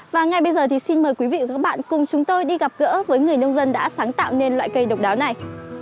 và ngay bây giờ thì xin mời quý vị và các bạn cùng chúng tôi đi gặp gỡ với người nông dân đã sáng tạo nên loại cây độc đáo này